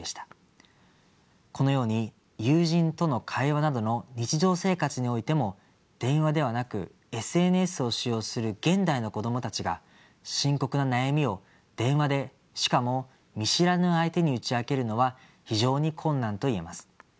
このように友人との会話などの日常生活においても電話ではなくＳＮＳを使用する現代の子どもたちが深刻な悩みを電話でしかも見知らぬ相手に打ち明けるのは非常に困難と言えます。